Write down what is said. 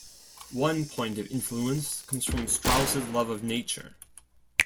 One point of influence comes from Strauss's love of nature.